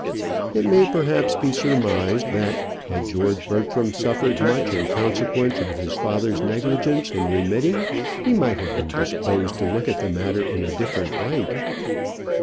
It may perhaps be surmised that had George Bertram suffered much in consequence of his father's negligence in remitting, he might have been disposed to look at the matter in a different light.